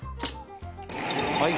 はい！